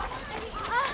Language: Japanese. あっ。